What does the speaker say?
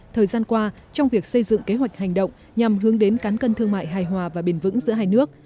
thời gian qua trong việc xây dựng kế hoạch hành động nhằm hướng đến cán cân thương mại hài hòa và bền vững giữa hai nước